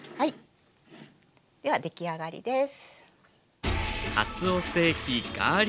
出来上がりです。